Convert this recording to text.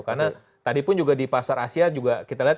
karena tadi pun juga di pasar asia juga kita lihat